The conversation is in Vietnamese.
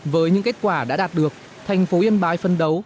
với những kết quả đã đạt được thành phố yên bái phân đấu